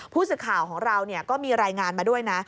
ผู้สื่อข่าวของเราก็มีรายงานมาด้วยนะ